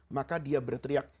maka dia berteriak